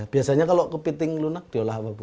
biasanya kalau kepiting lunak diolah apa bu